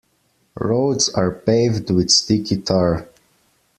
Roads are paved with sticky tar.